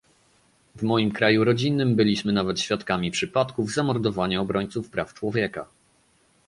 W moim kraju rodzinnym byliśmy nawet świadkami przypadków zamordowania obrońców praw człowieka